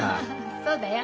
そうだよ。